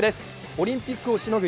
オリンピックをしのぐ